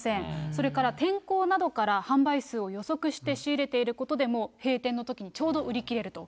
それから天候などから販売数を予測して仕入れていることでも、閉店のときにちょうど売り切れると。